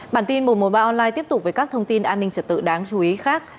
bản tin một trăm một mươi ba online tiếp tục với các thông tin an ninh trật tự đáng chú ý khác